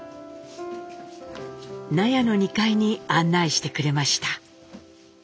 納屋の２階に案内してくれました。